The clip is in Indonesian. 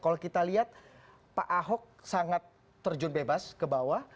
kalau kita lihat pak ahok sangat terjun bebas ke bawah